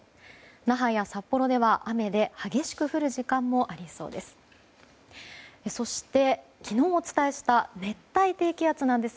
那覇や札幌では、雨で激しく降る時間もありそうです。